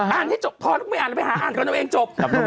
ให้จบพอลูกไม่อ่านแล้วไปหาอ่านกันเอาเองจบ